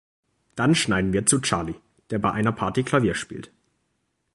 Dann schneiden wir zu Charlie, der bei einer Party Klavier spielt.